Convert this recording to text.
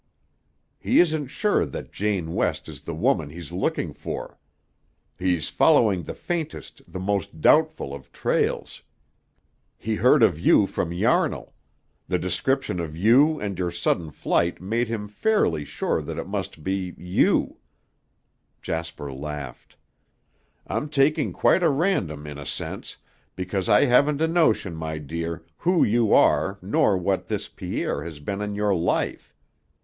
"He isn't sure that Jane West is the woman he's looking for. He's following the faintest, the most doubtful, of trails. He heard of you from Yarnall; the description of you and your sudden flight made him fairly sure that it must be you " Jasper laughed. "I'm talking quite at random in a sense, because I haven't a notion, my dear, who you are nor what this Pierre has been in your life.